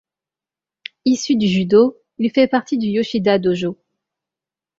Issu du Judo, il fait partie du Yoshida Dojo.